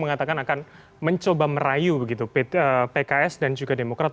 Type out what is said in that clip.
yang dikatakan akan mencoba merayu pks dan juga demokrat